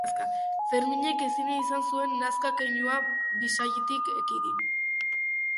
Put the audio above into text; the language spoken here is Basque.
Ferminek ezin izan zuen nazka keinua bisaiatik ekidin.